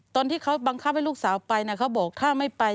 ตอนที่เขาบังคับให้ลูกสาวไปนะเขาบอกถ้าไม่ไป